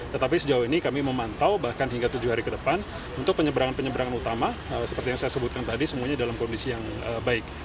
tetapi sejauh ini kami memantau bahkan hingga tujuh hari ke depan untuk penyeberangan penyeberangan utama seperti yang saya sebutkan tadi semuanya dalam kondisi yang baik